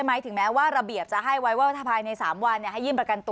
ไม่ถึง๓วันวิทยาวเองอยากข้อมูลเดียวเอง